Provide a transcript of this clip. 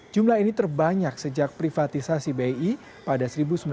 jumlah ini terbanyak sejak privatisasi bi pada seribu sembilan ratus sembilan puluh